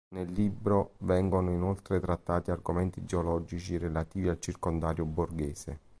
Nel libro vengono inoltre trattati argomenti geologici relativi al circondario borgese.